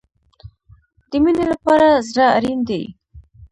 د مینې لپاره زړه اړین دی